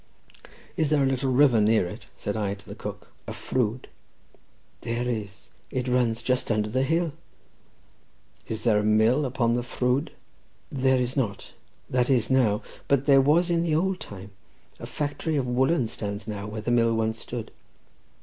"Is there a little river near it," said I to the cook—"a ffrwd?" "There is; it runs just under the hill." "Is there a mill upon the ffrwd?" "There is not; that is, now,—but there was in the old time; a factory of woollen stands now where the mill once stood."